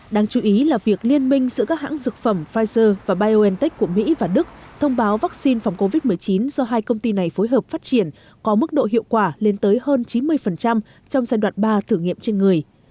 đáng chú ý là việc liên minh giữa các hãng dược phẩm pfizer và biontech của mỹ và đức thông báo vaccine phòng covid một mươi chín do hai công ty này phối hợp phát triển có mức độ hiệu quả lên tới hơn chín mươi trong giai đoạn ba thử nghiệm trên người